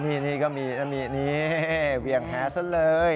นี่ก็มีเวี่ยงแฮดซะเลย